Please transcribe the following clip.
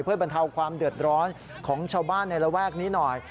เพื่อบรรเทาความเดือดร้อนของชาวบ้านในระแวกนี้หน่อย